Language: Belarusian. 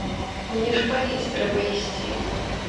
Мне ж паліць трэба ісці.